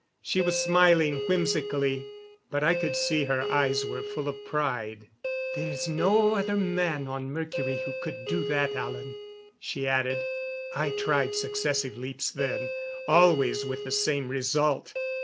She was smiling whimsically, but I could see her eyes were full of pride. "There is no other man on Mercury who could do that, Alan," she added. I tried successive leaps then, always with the same result.